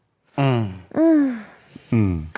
อืม